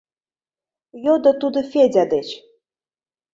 — йодо тудо Федя деч.